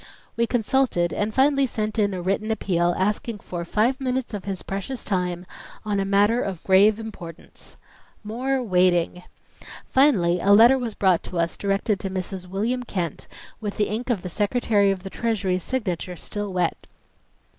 We consulted, and finally sent in a written appeal, asking for "five minutes of his precious time on a matter of grave importance." More waiting! Finally a letter was brought to us directed to Mrs. William Kent, with the ink of the Secretary of the Treasury's signature still wet.